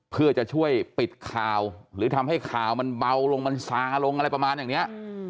เพื่อจะช่วยปิดข่าวหรือทำให้ข่าวมันเบาลงมันซาลงอะไรประมาณอย่างนี้